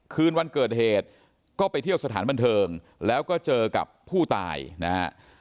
คืนวันเกิดเหตุก็ไปเที่ยวสถานบันเทิงแล้วก็เจอกับผู้ตายนะฮะ